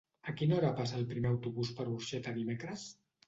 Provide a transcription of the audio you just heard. A quina hora passa el primer autobús per Orxeta dimecres?